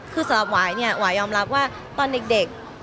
คือสำหรับหวายยอมรับว่าตอนเด็ก